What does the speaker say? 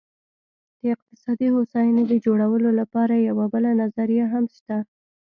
د اقتصادي هوساینې د جوړولو لپاره یوه بله نظریه هم شته.